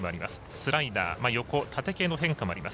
スライダー横、縦系の変化もあります。